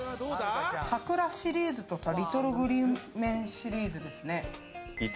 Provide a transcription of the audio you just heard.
桜シリーズとか、リトル・グリーン・メンシリーズですね。